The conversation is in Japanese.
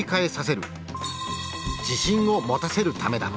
自信を持たせるためだ。